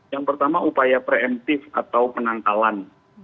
yang pertama upaya preemptif atau penangkalan